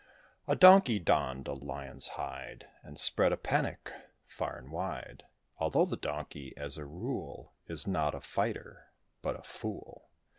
A donkey donned a Lion's hide, And spread a panic, far and wide (Although the Donkey, as a rule, Is not a fighter, but a fool).